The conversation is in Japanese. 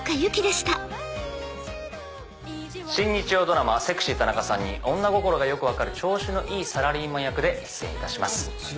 新日曜ドラマ『セクシー田中さん』に女心がよく分かる調子のいいサラリーマン役で出演いたします。